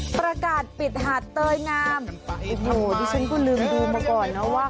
ประกาศปิดหาดเตยงามโอ้โหดิฉันก็ลืมดูมาก่อนนะว่า